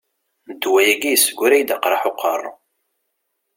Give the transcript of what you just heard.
Ddwa-agi yesseggray-d aqraḥ n uqerru.